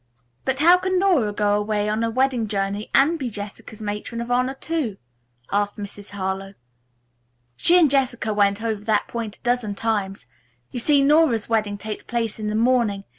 "But how can Nora go away on a wedding journey and be Jessica's matron of honor, too?" asked Mrs. Harlowe. "She and Jessica went over that point a dozen times. You see Nora's wedding takes place in the morning.